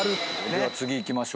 では次いきましょうか。